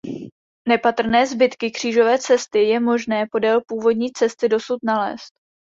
Nepatrné zbytky Křížové cesty je možné podél původní cesty dosud nalézt.